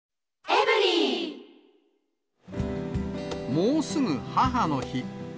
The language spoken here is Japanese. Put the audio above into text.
もうすぐ母の日。